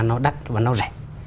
nó đắt và nó rẻ